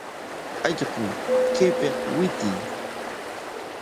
¡Allqu, kaypik witiy!